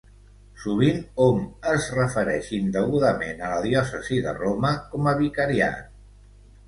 Sovint hom es refereix indegudament a la diòcesi de Roma com a vicariat.